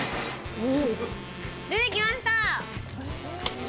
出てきました。